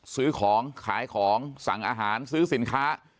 ซื้อของขายของสั่งอาหารซื้อสินค้า